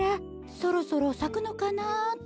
そろそろさくのかなって。